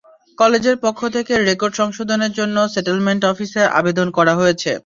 কলেজের পক্ষ থেকে রেকর্ড সংশোধনের জন্য সেটেলমেন্ট অফিসে আবেদন করা হয়েছে।